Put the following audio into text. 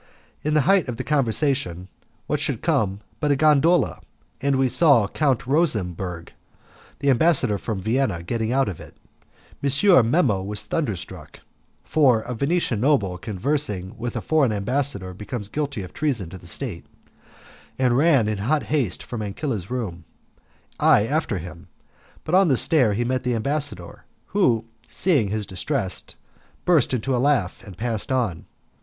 In the height of the conversation, what should come but a gondola, and we saw Count Rosemberg, the ambassador from Vienna, getting out of it. M. Memmo was thunderstruck (for a Venetian noble conversing with a foreign ambassador becomes guilty of treason to the state), and ran in hot haste from Ancilla's room, I after him, but on the stair he met the ambassador, who, seeing his distress, burst into a laugh, and passed on.